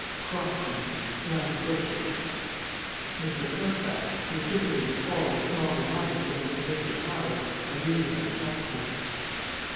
Kratzky, that bloody butcher...." M. Croza, whose sympathy was all with small republics against major powers, agreed about Kratzky.